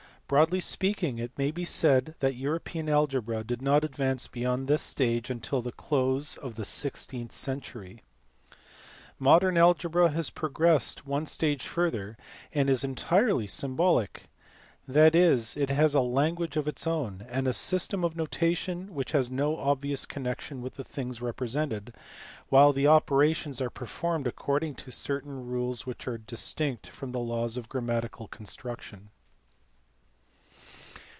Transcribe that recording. Broadly speaking, it may be said that European algebra did not advance beyond this stage until the close of the sixteenth century. Modern algebra has progressed one stage further and is entirely symbolic ; that is, it has a language of its own and a system of notation which has no obvious connection with the things represented, while the operations are performed accord ing to certain rules which are distinct from the laws of gram matical construction.